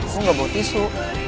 kau nggak bawa tisu